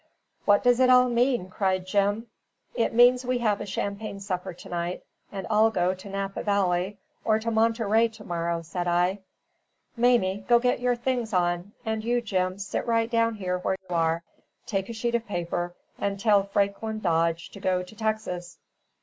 "What does it all mean?" cried Jim. "It means we have a champagne supper to night, and all go to Napa Valley or to Monterey to morrow," said I. "Mamie, go and get your things on; and you, Jim, sit down right where you are, take a sheet of paper, and tell Franklin Dodge to go to Texas.